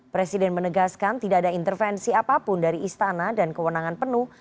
presiden menegaskan tidak ada intervensi apapun dari istana dan kewenangan penuh